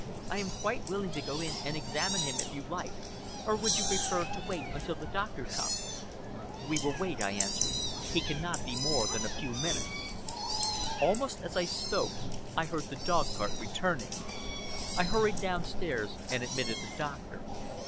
I am quite willing to go in and examine him, if you like, or would you prefer to wait until the doctor comes?" "We will wait," I answered. "He cannot be more than a few minutes." Almost as I spoke, I heard the dog cart returning. I hurried downstairs and admitted the doctor.